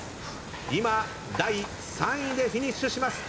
今第３位でフィニッシュします。